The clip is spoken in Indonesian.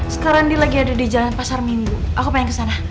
sekarang dia lagi ada di jalan pasar minggu aku pengen kesana